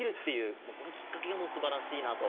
もうこのきっかけがすばらしいなと。